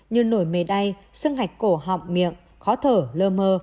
như nổi mề đai sưng hạch cổ họng miệng khó thở lơ mơ